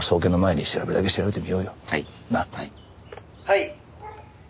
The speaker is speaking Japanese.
「はい」